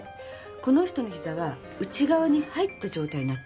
この人の膝は内側に入った状態になってるでしょ？